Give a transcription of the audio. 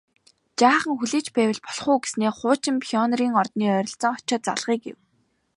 Жаахан хүлээж байвал болох уу гэснээ хуучин Пионерын ордны ойролцоо очоод залгая гэв